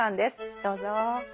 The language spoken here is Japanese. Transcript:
どうぞ。